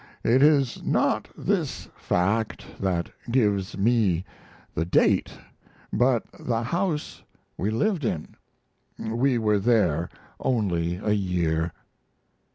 It is not this fact that gives me the date, but the house we lived in. We were there only a year."